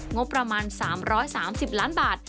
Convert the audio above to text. งบประมาณ๓๓๐ล้านบาท